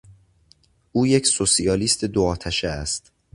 او یک سوسیالیست دو آتشه است.